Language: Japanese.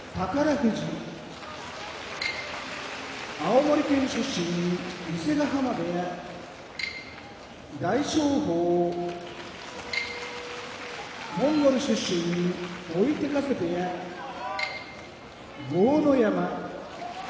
富士青森県出身伊勢ヶ濱部屋大翔鵬モンゴル出身追手風部屋豪ノ山